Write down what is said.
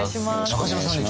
中島さんね